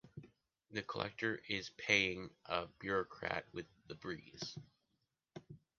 The collector is paying a bureaucrat with the breeze!